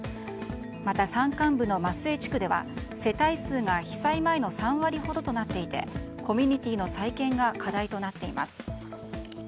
また、山間部の松末地区では世帯数が被災前の３割ほどとなっていてコミュニティーの再建が課題となっています。